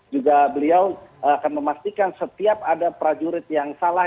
juga beliau akan memastikan setiap ada prajurit yang salah